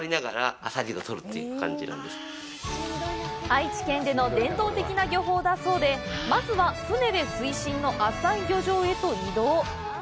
愛知県での伝統的な漁法だそうでまずは船で水深の浅い漁場へと移動！